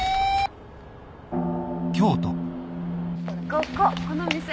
こここの店。